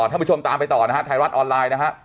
ท่านผู้ชมตามไปต่อนะฮะไทยรัฐออนไลน์นะฮะ